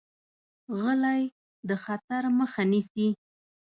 غلی، د خطر مخه نیسي.